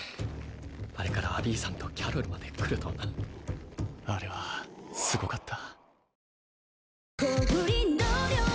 あれからアビーさんとキャロルまで来るとはなあれはすごかった